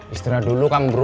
istirahat dulu kang bro